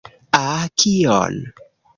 Ah? Kion?